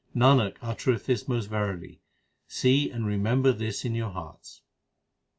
Nanak uttereth this most verily ; see and remember this in your hearts.